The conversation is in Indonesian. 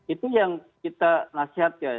itu yang kita nasihatkan